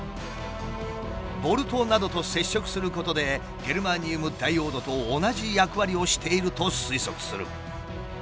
ボルトなどと接触することでゲルマニウムダイオードと同じ役割をしていると推測する。